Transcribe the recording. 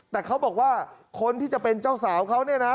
แต่เขาบอกว่าคนที่จะเป็นเจ้าสาวเขาเนี่ยนะ